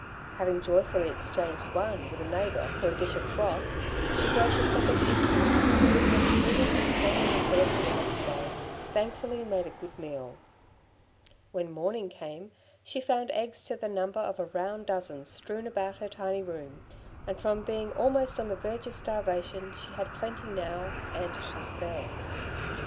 Having joyfully exchanged one with a neighbour for a dish of broth, she broke the second into it, and prudently saving the third for next day, thankfully made a good meal. When morning came, she found eggs to the number of a round dozen strewn about her tiny room, and from being almost on the verge of starvation, she had plenty now and to spare.